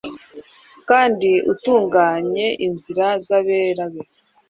Kandi atunganye inzira zabera be